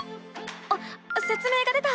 あっせつ明が出た！